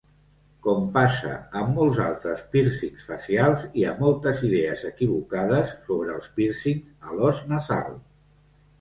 Com passa amb molts altres pírcings facials, hi ha moltes idees equivocades sobre els pírcing a l'os nasal.